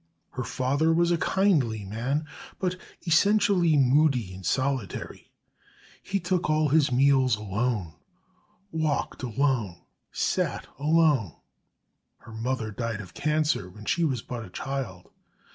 Her father was a kindly man, but essentially moody and solitary. He took all his meals alone, walked alone, sate alone. Her mother died of cancer, when she was but a child.